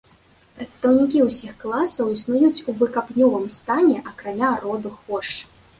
Прадстаўнікі ўсіх класаў існуюць у выкапнёвым стане, акрамя роду хвошч.